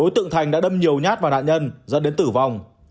thành đã đâm nhiều nhát vào nạn nhân dẫn đến tử vong